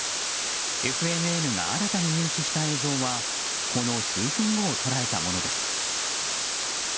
ＦＮＮが新たに入手した映像はこの数分後を捉えたものです。